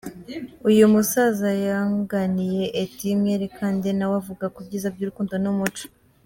Uyu musaza yunganiye Eddy Mwerekande nawe avuga kubyiza by'urukundo n'umuco.